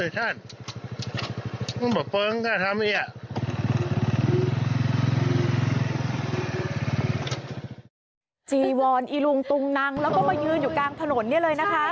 จีวอนอีลุงตุงนังแล้วก็มายืนอยู่กลางถนนเนี่ยเลยนะคะ